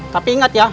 tapi ingat ya